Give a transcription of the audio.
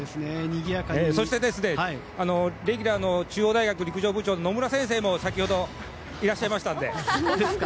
そして、レギュラーの中央大学陸上部長の野村先生も先ほどいらっしゃいましたので。